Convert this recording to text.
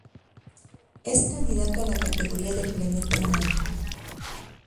Es candidato a la categoría de planeta enano.